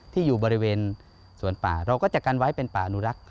ที่อยู่บริเวณสวนป่าเราก็จะกันไว้เป็นป่าอนุรักษ์